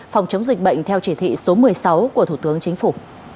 phòng chống dịch bệnh theo chỉ thị số một mươi sáu của thủ tướng chính phủ